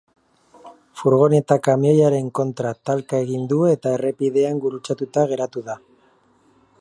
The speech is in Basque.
Furgoneta kamioiaren kontra talka egin du eta errepidean gurutzatuta geratu da.